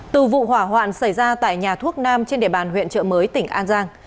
từ vụ hỏa hoạn xảy ra tại nhà thuốc nam trên địa bàn huyện trợ mới tỉnh an giang